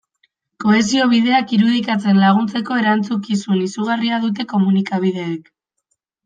Kohesio bideak irudikatzen laguntzeko erantzukizun izugarria dute komunikabideek.